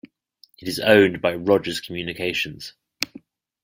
It is owned by Rogers Communications.